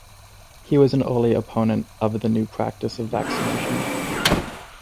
He was an early opponent of the new practice of vaccination.